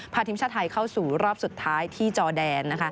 พาทีมชาติไทยเข้าสู่รอบสุดท้ายที่จอแดน